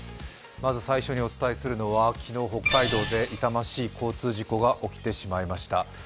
まず最初にお伝えするのは、昨日、北海道で痛ましい交通事故が起きてしまいました。